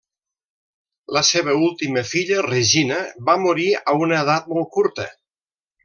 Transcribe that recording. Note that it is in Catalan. La seva última filla, Regina, va morir a una edat molt curta.